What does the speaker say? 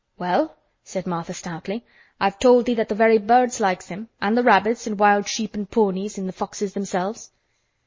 "Well," said Martha stoutly, "I've told thee that th' very birds likes him an' th' rabbits an' wild sheep an' ponies, an' th' foxes themselves.